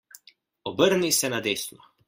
Obrni se na desno.